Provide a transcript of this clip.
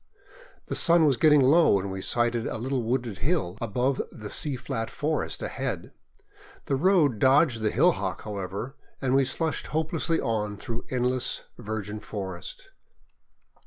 The sun was getting low when we sighted a little wooded hill above the sea flat forest ahead. The road dodged the hillock, however, and we slushed hopelessly on through endless virgin forest.